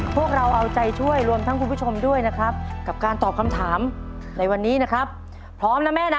พวกเราเอาใจช่วยรวมทั้งคุณผู้ชมด้วยนะครับกับการตอบคำถามในวันนี้นะครับพร้อมนะแม่นะ